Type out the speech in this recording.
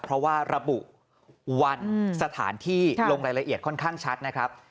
เพราะว่าระบุวันสถานที่ลงรายละเอียดค่อนข้างชัดนะครับ